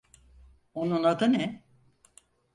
Onun adı ne?